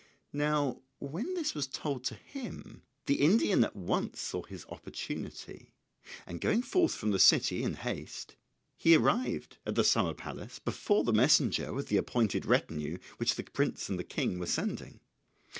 Now when this was told him the Indian at once saw his opportunity, and going forth from the city in haste he arrived at the summer palace before the messenger with the appointed retinue which the prince and the King were sending.